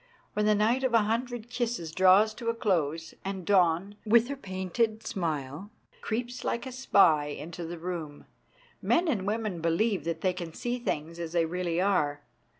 When the night of a hundred kisses draws to a close, and Dawn, with her painted 246 THE DAY BEFORE YESTERDAY smile, creeps like a spy into the room, men and women believe that they can see things as they really are.